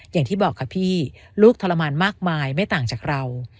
อย่างที่บอกค่ะพี่ลูกทรมานมากมายไม่ต่างจากเรา